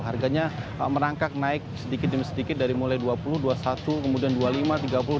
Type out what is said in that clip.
harganya merangkak naik sedikit demi sedikit dari mulai rp dua puluh rp dua puluh satu kemudian rp dua puluh lima rp tiga puluh